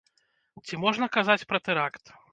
Ці можна казаць пра тэракт?